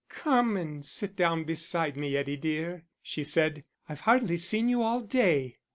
"Come and sit down beside me, Eddie dear," she said. "I've hardly seen you all day."